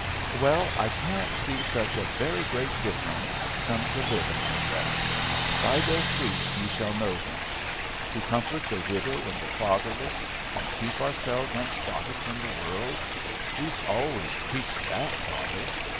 "Well, I can't see such a very great difference, come to live among them. 'By their fruits ye shall know them.' To comfort the widow and the fatherless, and keep ourselves unspotted from the world; thee's always preached that, father.